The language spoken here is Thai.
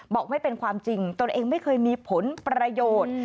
ไม่เป็นความจริงตนเองไม่เคยมีผลประโยชน์